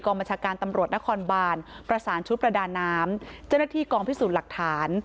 บัญชาการตำรวจนครบานประสานชุดประดาน้ำเจ้าหน้าที่กองพิสูจน์หลักฐาน